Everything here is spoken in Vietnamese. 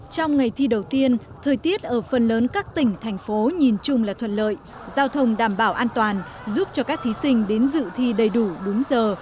trong ngày thi đầu tiên thời tiết ở phần lớn các tỉnh thành phố nhìn chung là thuận lợi giao thông đảm bảo an toàn giúp cho các thí sinh đến dự thi đầy đủ đúng giờ